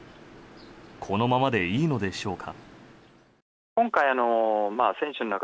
このままでいいのでしょうか。